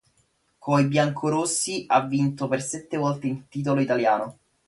Coi biancorossi ha vinto per sette volte il titolo italiano.